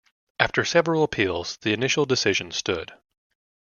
After several appeals, the initial decision stood.